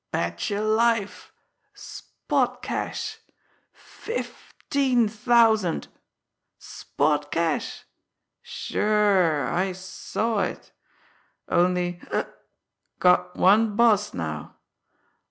"Betcher life! Spot cash fifteen thousand spot cash! Sure, I saw it! Only hic! got one boss now.